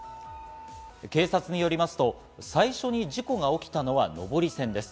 警察によりますと最初に事故が起きたのは上り線です。